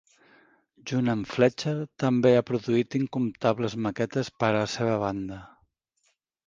Junt amb Fletcher, també ha produït incomptables maquetes para la seva banda.